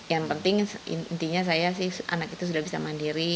yang penting intinya saya sih anak itu sudah bisa mandiri